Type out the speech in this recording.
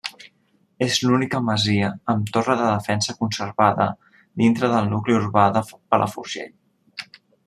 És l'única masia amb torre de defensa conservada dintre del nucli urbà de Palafrugell.